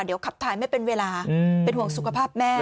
เดี๋ยวขับถ่ายไม่เป็นเวลาเป็นห่วงสุขภาพแม่